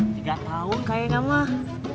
tiga tahun kayaknya mah